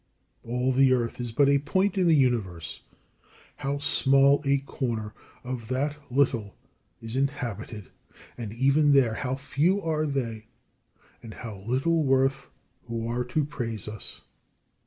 All the earth is but a point in the Universe; how small a corner of that little is inhabited, and even there how few are they and of how little worth who are to praise us!